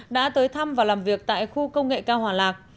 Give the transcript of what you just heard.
đã tới thăm và làm việc tại khu công nghệ cao hòa lạc